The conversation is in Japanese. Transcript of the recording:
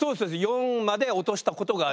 ４まで落としたことがあります。